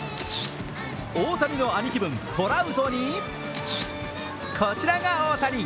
大谷の兄貴分・トラウトにこちらが大谷。